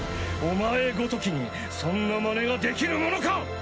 お前ごときにそんなまねができるものか！